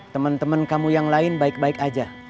temen temen kamu yang lain baik baik aja